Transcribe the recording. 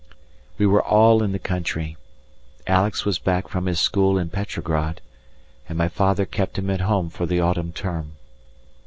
we were all in the country. Alex was back from his school in Petrograd, and my father kept him at home for the autumn term.